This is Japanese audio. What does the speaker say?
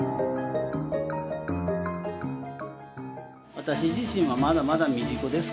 私自身はまだまだ未熟ですから。